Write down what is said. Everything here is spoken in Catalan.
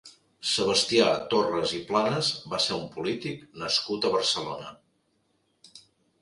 Sebastià Torres i Planas va ser un polític nascut a Barcelona.